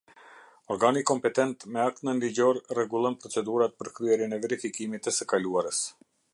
Organi kompetent me akt nënligjor rregullon procedurat për kryerjen e verifikimit të së kaluarës.